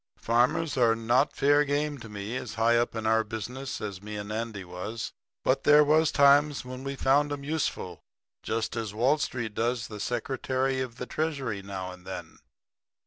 Farmers are not fair game to me as high up in our business as me and Andy was; but there was times when we found 'em useful, just as Wall Street does the Secretary of the Treasury now and then.